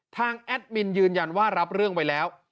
แอดมินยืนยันว่ารับเรื่องไว้แล้ว